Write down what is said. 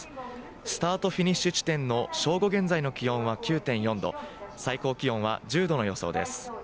スタートフィニッシュ地点の正午現在の気温は９．４度、最高気温は１０度の予想です。